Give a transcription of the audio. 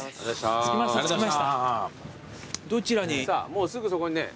もうすぐそこにね。